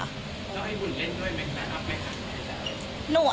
แล้วไอ้อุ่นเป็นด้วยไหมค่ะ